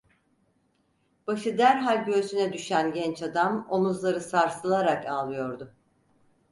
Başı derhal göğsüne düşen genç adam omuzları sarsılarak ağlıyordu.